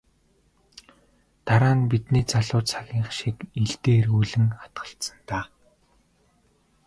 Дараа нь бидний залуу цагийнх шиг илдээ эргүүлэн хатгалцсан даа.